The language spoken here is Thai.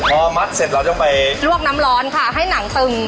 พอมัดเสร็จเราต้องไปลวกน้ำร้อนค่ะให้หนังตึง